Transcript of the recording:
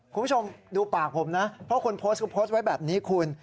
คุณผู้ชมดูปากผมนะเพราะคนโพสต์เขาโพสต์ไว้แบบนี้คุณ